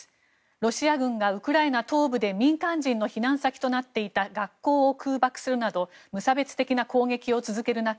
ロシア軍がウクライナ東部で民間人の避難先となっていた学校を空爆するなど無差別的な攻撃を続ける中